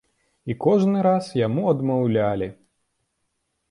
І кожны раз яму адмаўлялі.